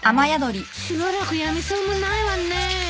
しばらくやみそうもないわねえ。